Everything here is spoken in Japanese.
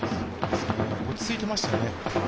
落ち着いていましたね。